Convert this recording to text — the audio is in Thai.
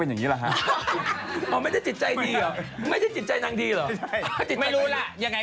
เรื่องของเธอแต่จริงจิตใจ